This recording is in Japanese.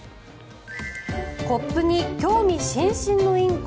コップに興味津々のインコ。